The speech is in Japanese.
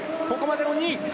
ここまでの２位。